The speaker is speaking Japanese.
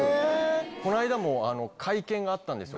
この間も会見があったんですよ